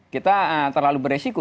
kita terlalu beresiko